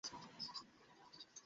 সাহসের সাথে বল প্রেমে করছিস।